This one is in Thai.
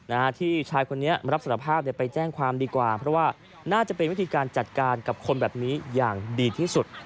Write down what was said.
นะฮะที่ชายคนนี้รับสารภาพเนี่ยไปแจ้งความดีกว่าเพราะว่าน่าจะเป็นวิธีการจัดการกับคนแบบนี้อย่างดีที่สุด